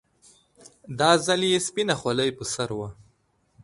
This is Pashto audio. دا ځل يې سپينه خولۍ پر سر وه.